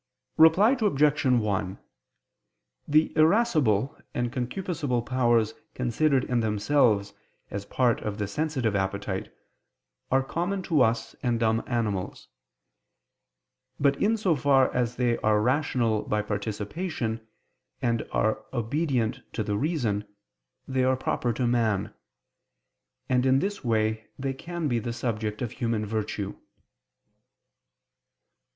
Reply Obj. 1: The irascible and concupiscible powers considered in themselves, as parts of the sensitive appetite, are common to us and dumb animals. But in so far as they are rational by participation, and are obedient to the reason, they are proper to man. And in this way they can be the subject of human virtue.